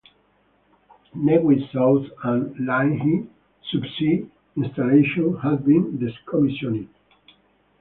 Nevis South and Linnhe subsea installations have been decommissioned.